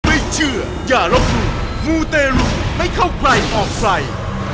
ไม่เชื่ออย่ารบหลุมมูเตรุไม่เข้าใกล้ออกใกล้